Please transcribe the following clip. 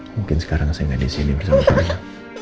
mungkin sekarang saya gak disini bersama kamu